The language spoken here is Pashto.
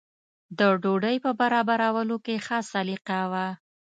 د ډوډۍ په برابرولو کې ښه سلیقه وه.